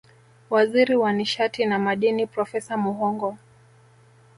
Waziri wa nishati na Madini Profesa Muhongo